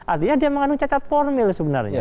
artinya dia mengandung catat formil sebenarnya